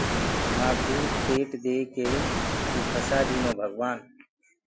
همآنڪو پيٽ ديڪي ڦسآ دينو توڀگوآن